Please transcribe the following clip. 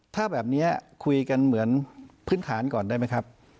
ถ้าแบบนี้คุยกันเหมือนพื้นฐานก่อนได้ไหมครับ